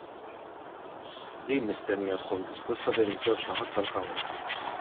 Din mistennija tkun diskussa bejn iż-żewġ naħat tal-kamra.